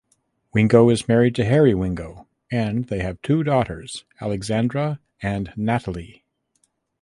Wingo is married to Harry Wingo and they have two daughters Alexandra and Natalie.